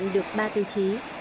được ba tiêu chí